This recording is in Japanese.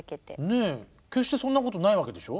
決してそんなことないわけでしょ？